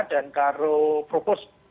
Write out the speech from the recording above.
dan karo propos